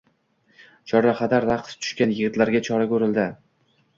Chorrahada raqc tushgan yigitlarga chora ko‘rildi